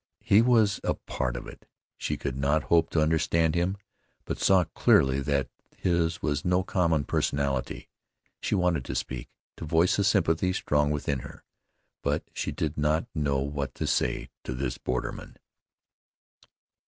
He was a part of it. She could not hope to understand him; but saw clearly that his was no common personality. She wanted to speak, to voice a sympathy strong within her; but she did not know what to say to this borderman.